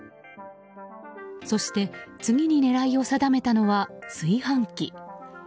そして次に狙いを定めたのは炊飯器。